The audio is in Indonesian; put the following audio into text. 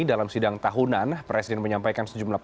dalam sidang tahunan presiden menyampaikan sejumlah pertanyaan